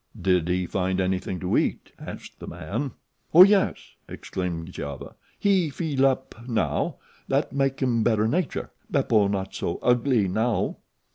"Did he find anything to eat?" asked the man. "Oh, yes," exclaimed Giova. "He fill up now. That mak him better nature. Beppo not so ugly now."